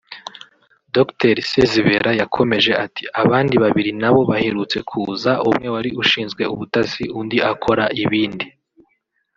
Dr Sezibera yakomeje ati “Abandi babiri nabo baherutse kuza umwe wari ushinzwe ubutasi undi akora ibindi